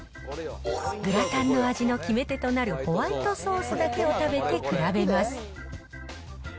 グラタンの味の決め手となるホワイトソースだけを食べて比べます。